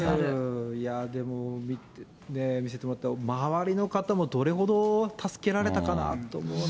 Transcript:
いやでも、見せてもらった、周りの方もどれほど助けられたかなと思うな。